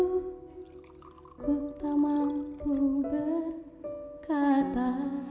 aku tak mampu berkata